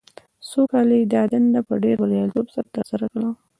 څو کاله یې دا دنده په ډېر بریالیتوب سره ترسره کړه.